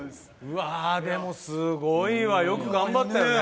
でも、すごいわ、よく頑張ったよね。